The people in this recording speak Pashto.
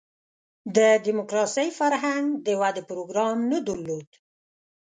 د دیموکراسۍ فرهنګ د ودې پروګرام نه درلود.